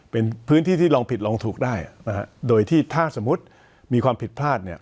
เป็นพื้นที่ที่ลองผิดลองถูกได้นะฮะโดยที่ถ้าสมมุติมีความผิดพลาดเนี่ย